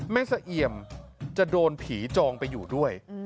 สะเอี่ยมจะโดนผีจองไปอยู่ด้วย